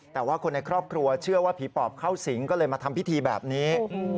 แต่ว่าคนในครอบครัวเชื่อว่าผีปอบเข้าสิงก็เลยมาทำพิธีแบบนี้